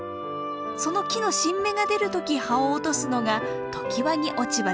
その木の新芽が出る時葉を落とすのが常磐木落葉です。